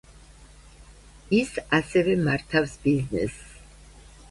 ის ასევე მართავს ბიზნესს.